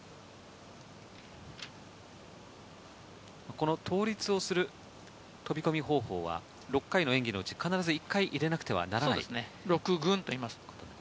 この倒立をする飛び込み方法は、６回の演技のうち必ず１回入れなくてはいけない。